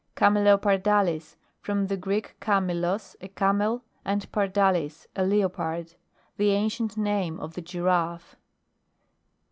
CAMELEOPARDALIS. From the Greek, kamelos, a camel, and pardalis, a leopard. The ancient name of the Giraffe.